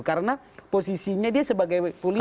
karena posisinya dia sebagai polisi